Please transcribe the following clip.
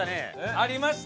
ありました？